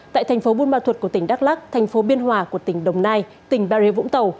tại tp bunma thuật của tỉnh đắk lắc tp biên hòa của tỉnh đồng nai tỉnh bà ríu vũng tàu